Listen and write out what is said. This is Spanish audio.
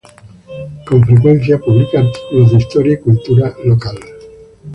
Con frecuencia publica artículos de historia y cultura local.